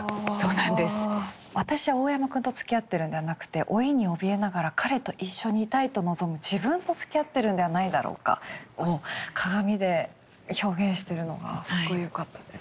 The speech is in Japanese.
「私は大山くんと付き合ってるんではなくて老いに怯えながら彼と一緒にいたいと望む自分と付き合ってるんではないだろうか」を鏡で表現してるのがすっごいよかったです。